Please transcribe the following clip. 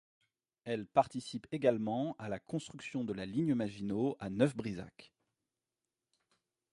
Elle participe également à la construction de la ligne Maginot à Neuf-Brisach.